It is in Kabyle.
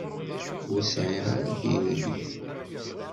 Ur sɛiɣ ara tiririt.